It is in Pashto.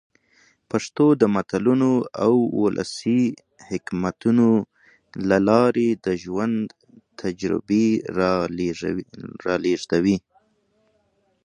پښتو د متلونو او ولسي حکمتونو له لاري د ژوند تجربې را لېږدوي.